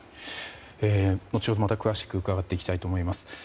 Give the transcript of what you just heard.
後ほど詳しく伺っていきたいと思います。